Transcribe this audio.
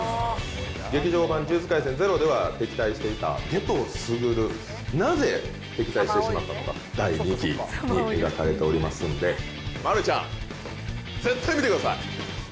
劇場版呪術廻戦０では、敵対していた夏油傑、なぜ敵対してしまったのか、第２期に描かれておりますんで、丸ちゃん、絶対見てください。